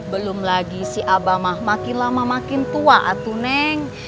belum lagi si abah mah makin lama makin tua atuh neng